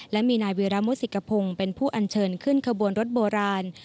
และมีนายวีรมุสิกพงศ์เป็นผู้อัญเชิญขึ้นขบวนรถโบราณ